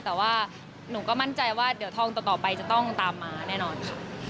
แต่ว่าหนูก็มั่นใจว่าเดี๋ยวทองต่อไปจะต้องตามมาแน่นอนค่ะ